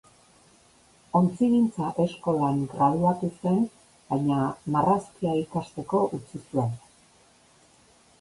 Ontzigintza-eskolan graduatu zen baina marrazkia ikasteko utzi zuen.